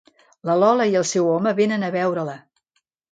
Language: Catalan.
La Lola i el seu home vénen a veure-la.